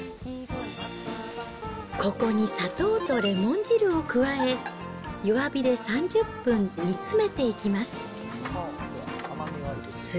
ここに砂糖とレモン汁を加え、弱火で３０分煮詰めていきます。